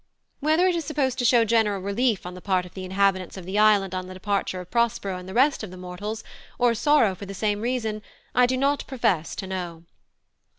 Whether it is supposed to show general relief on the part of the inhabitants of the island on the departure of Prospero and the rest of the mortals, or sorrow for the same reason, I do not profess to know.